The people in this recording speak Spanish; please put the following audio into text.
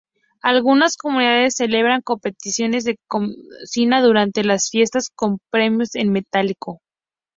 Algunas comunidades celebran competiciones de cocina durante las fiestas, con premios en metálico.